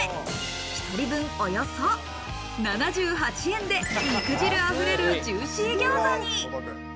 １人分およそ７８円で肉汁あふれるジューシー餃子に。